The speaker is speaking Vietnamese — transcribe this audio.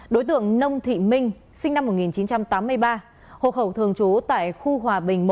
đối tượng nông thị minh sinh năm một nghìn chín trăm tám mươi ba hộ khẩu thường trú tại khu hòa bình một